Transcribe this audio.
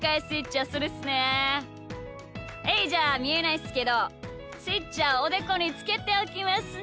はいじゃあみえないっすけどスイッチはおでこにつけておきますね。